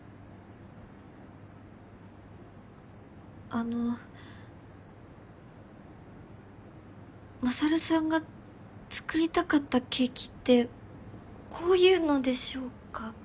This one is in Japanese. あの勝さんが作りたかったケーキってこういうのでしょうか？